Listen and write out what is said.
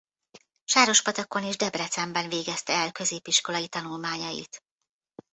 Sárospatakon és Debrecenben végezte el középiskolai tanulmányait.